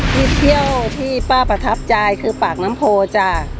วิทยาลองที่ป้าประทับใจคือปากน้ำโพรจ่ะ